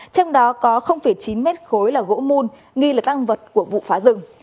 trong đó có chín m khối là gỗ mùm nghi là tăng vật của vụ phá rừng